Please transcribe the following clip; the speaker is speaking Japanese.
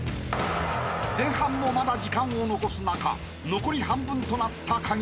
［前半もまだ時間を残す中残り半分となったカギメンバー］